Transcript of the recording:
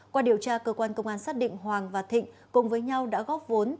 qua điều tra cơ quan công an xác định hoàng và thịnh cùng với nhau đã góp vốn